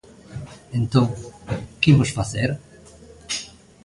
Entón, ¿que imos facer?